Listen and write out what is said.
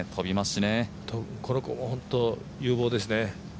この子、本当、有望ですね。